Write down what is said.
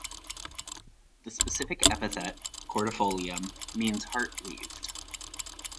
The specific epithet ("cordifolium") means "heart leaved".